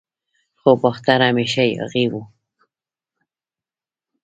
خو باختر همیشه یاغي و